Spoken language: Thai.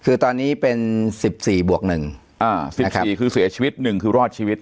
คือตอนนี้เป็นสิบสี่บวกหนึ่งอ่าสิบสี่คือเสียชีวิตหนึ่งคือรอดชีวิต